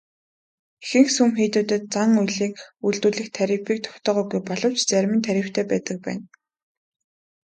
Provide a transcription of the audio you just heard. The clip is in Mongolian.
Ихэнх сүм хийдүүдэд зан үйлийг үйлдүүлэх тарифыг тогтоогоогүй боловч зарим нь тарифтай байдаг байна.